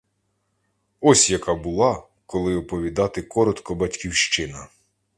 Ось яка була, коли оповідати коротко, батьківщина!